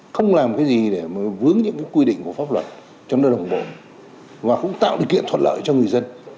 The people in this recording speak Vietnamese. không làm cái gì để vướng những quy định của pháp luật cho nơi đồng bộ và không tạo điều kiện thuận lợi cho người dân